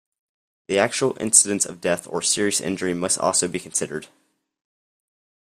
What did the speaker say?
The actual incidence of death or serious injury must also be considered.